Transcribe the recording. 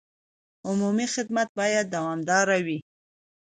عمومي خدمت باید دوامداره وي.